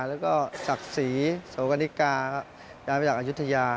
แล้วก็ศักดิ์ศรีโสกนิกาย้ายมาจากอายุทยา